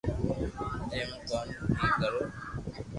مي مارو ڪوم ڪوم ھي ڪروُ